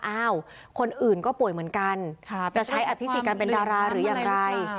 อ้าวคนอื่นก็ป่วยเหมือนกันจะใช้อภิษฎกันเป็นดาราหรืออย่างไร